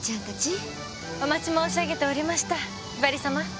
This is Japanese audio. お待ち申し上げておりましたひばりさま。